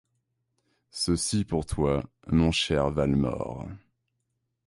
Ceci pour toi, mon cher Valmore.